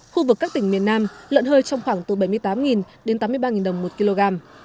khu vực các tỉnh miền nam lợn hơi trong khoảng từ bảy mươi tám đến tám mươi ba đồng một kg